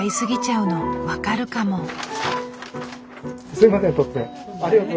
すいません突然。